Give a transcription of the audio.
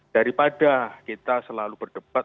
daripada kita selalu berdebat